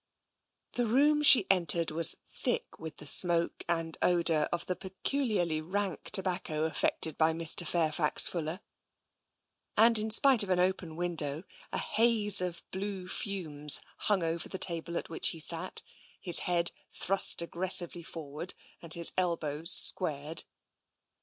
" The room she entered was thick with the smoke and odour of the peculiarly rank tobacco affected by Mr. Fairfax Fuller, and in spite of an open window, a haze of blue fumes hung over the table at which he sat, his head thrust aggressively forward and his elbows squared.